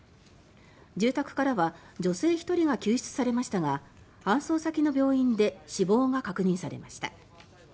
住宅からは女性１人が救出されましたが搬送先の病院で死亡が確認されました。